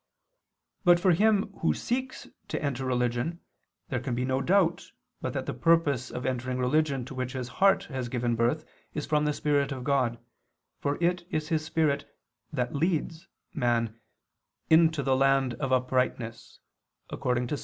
But for him who seeks to enter religion there can be no doubt but that the purpose of entering religion to which his heart has given birth is from the spirit of God, for it is His spirit "that leads" man "into the land of uprightness" (Ps.